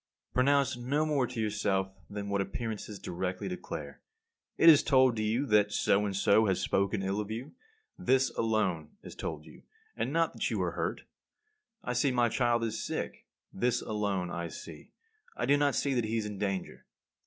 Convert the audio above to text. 49. Pronounce no more to yourself than what appearances directly declare. It is told you that so and so has spoken ill of you. This alone is told you, and not that you are hurt by it. I see my child is sick; this only I see. I do not see that he is in danger.